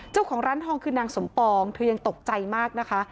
เจ้าของร้านทองคือนางสมปองเธอยังตกใจมากนะคะ